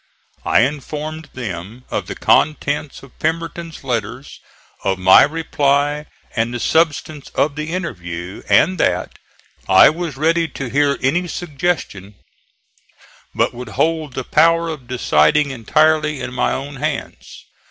I informed them of the contents of Pemberton's letters, of my reply and the substance of the interview, and that I was ready to hear any suggestion; but would hold the power of deciding entirely in my own hands.